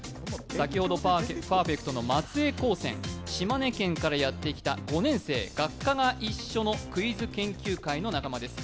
先ほどパーフェクトの松江高専、島根県からやってきた５年生、学科が一緒のクイズ研究会の仲間です。